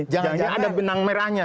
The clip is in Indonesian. jangan ada benang merahnya